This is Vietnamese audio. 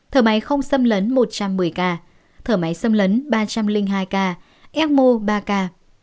thở máy không xâm lấn một trăm một mươi ca thở máy xâm lấn ba trăm linh hai ca ego ba k